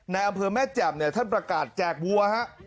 อำเภอแม่แจ่มเนี่ยท่านประกาศแจกวัวฮะ